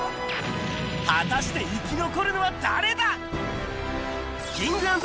果たして生き残るのは誰だ？